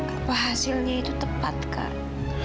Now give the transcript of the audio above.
apa hasilnya itu tepat kak